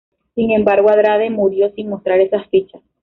Sin embargo Andrade murió sin mostrar esas fichas.